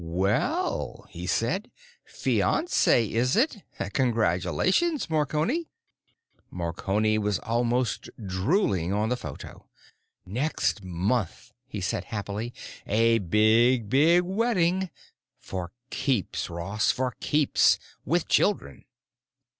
_ "Well!" he said, "Fiance, is it? Congratulations, Marconi!" Marconi was almost drooling on the photo. "Next month," he said happily. "A big, big wedding. For keeps, Ross—for keeps. With children!"